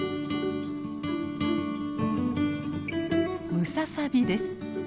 ムササビです。